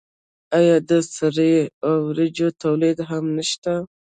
آیا د سرې او وریجو تولید هم نشته؟